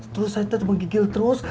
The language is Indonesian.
terus saya tadi menggigil terus